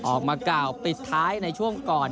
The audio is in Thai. ออกมากล่าวปิดท้ายในช่วงก่อน